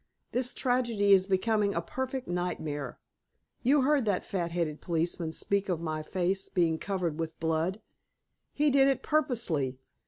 This tragedy is becoming a perfect nightmare. You heard that fat headed policeman speak of my face being covered with blood. He did it purposely.